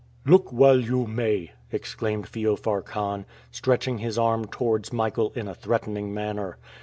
"Look while you may," exclaimed Feofar Kahn, stretching his arm towards Michael in a threatening manner.